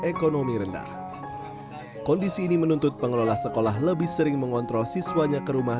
ekonomi rendah kondisi ini menuntut pengelola sekolah lebih sering mengontrol siswanya ke rumah